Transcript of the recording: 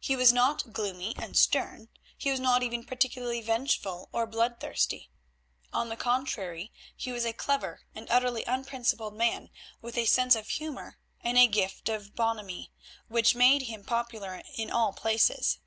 He was not gloomy and stern; he was not even particularly vengeful or bloodthirsty. On the contrary, he was a clever and utterly unprincipled man with a sense of humour and a gift of bonhomie which made him popular in all places.